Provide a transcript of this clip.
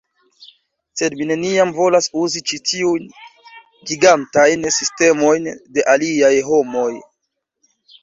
Sed mi neniam volas uzi ĉi tiujn gigantajn sistemojn de aliaj homoj